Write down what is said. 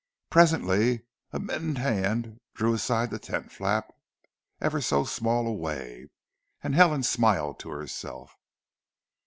Presently a mittened hand drew aside the tent flap ever so small a way; and Helen smiled to herself.